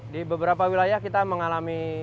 di beberapa wilayah kita mengalami